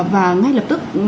và ngay lập tức